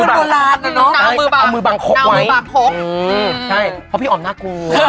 กลัวก๊อปปี้อีก